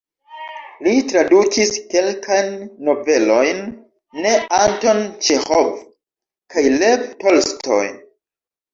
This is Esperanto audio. Li tradukis kelkajn novelojn de Anton Ĉeĥov kaj Lev Tolstoj.